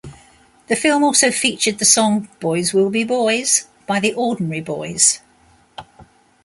The film also featured the song "Boys Will Be Boys" by The Ordinary Boys.